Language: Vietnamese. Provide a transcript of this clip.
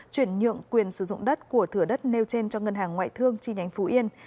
chuyển nhượng quyền sử dụng đất của thửa đất nêu trên cho ngân hàng ngoại thương chi nhánh phú yên